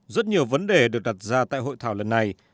rất nhiều vấn đề được đặt ra tại hội thảo lần này